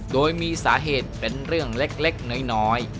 โดยมีสาเหตุเป็นเรื่องเล็กน้อย